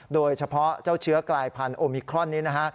โดยเฉพาะเจ้าเชื้อกลายพันธุมิครอนนี้นะฮะ